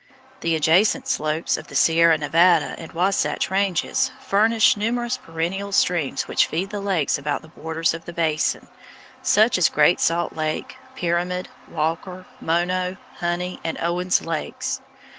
The adjacent slopes of the Sierra Nevada and Wasatch ranges furnish numerous perennial streams which feed the lakes about the borders of the Basin, such as Great Salt Lake, Pyramid, Walker, Mono, Honey, and Owens lakes.